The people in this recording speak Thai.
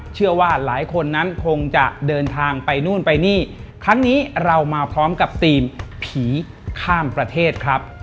เชื่อว่าหลายคนนั้นคงจะเดินทางไปนู่นไปนี่ครั้งนี้เรามาพร้อมกับทีมผีข้ามประเทศครับ